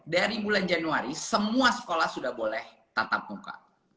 dari bulan januari semua sekolah sudah boleh tatap muka